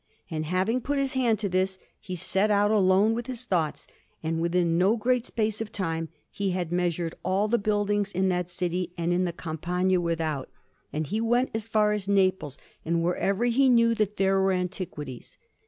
And having put his hand to this, he set out, alone with his thoughts; and within no great space of time he had measured all the buildings in that city and in the Campagna without; and he went as far as Naples, and wherever he knew that there were antiquities.